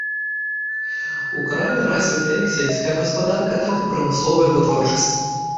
У краі развіта як сельская гаспадарка, так і прамысловая вытворчасць.